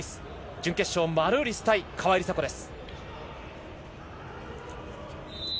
準決勝、マルーリス対川井梨紗子です。